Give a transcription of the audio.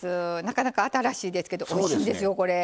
なかなか新しいですけどおいしいんですよこれ。